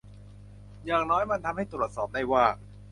อย่างน้อยมันทำให้ตรวจสอบได้ว่า